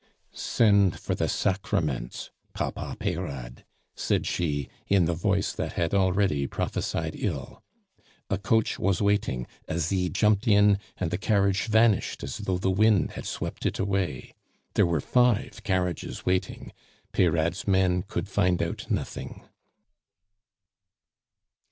"Send for the Sacraments, Papa Peyrade," said she, in the voice that had already prophesied ill. A coach was waiting. Asie jumped in, and the carriage vanished as though the wind had swept it away. There were five carriages waiting; Peyrade's men could find out nothing.